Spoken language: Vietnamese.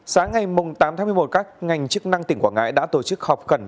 sáng ngày tám tháng một mươi một các ngành chức năng tỉnh quảng ngãi đã tổ chức họp khẩn